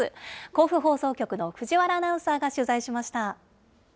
甲府放送局の藤原アナウンサーが取材しました。